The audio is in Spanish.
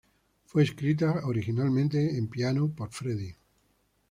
Fue escrita originalmente en piano por Freddie.